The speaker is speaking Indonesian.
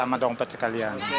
sama dompet sekalian